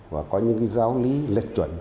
và có những giáo lý lệch chuẩn